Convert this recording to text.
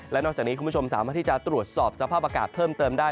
และนอกจากนี้คุณผู้ชมสามารถที่จะตรวจสอบสภาพอากาศเพิ่มเติมได้